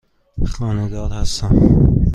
خانه دار هستم.